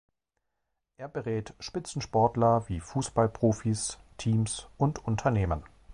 Er berät Spitzensportler wie Fußballprofis, Teams und Unternehmen.